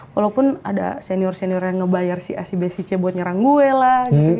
walaupun ada senior senior yang ngebayar si acbcc buat nyerang gue lah gitu